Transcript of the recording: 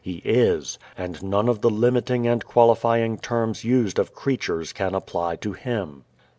He is, and none of the limiting and qualifying terms used of creatures can apply to Him.